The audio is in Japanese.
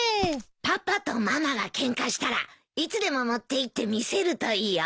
パパとママがケンカしたらいつでも持っていって見せるといいよ。